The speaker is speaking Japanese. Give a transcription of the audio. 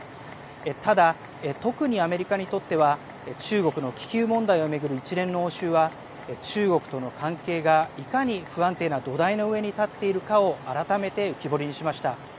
ただ、特にアメリカにとっては中国の気球問題を巡る一連の応酬は中国との関係がいかに不安定な土台の上に立っているかを改めて浮き彫りにしました。